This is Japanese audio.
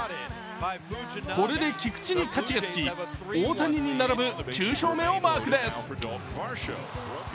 これで菊池に勝ちがつき、大谷に並ぶ９勝目をマークです。